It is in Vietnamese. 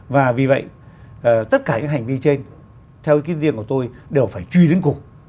và vì vậy tất cả những hành vi trên theo ý kiến riêng của tôi đều phải truy đến cùng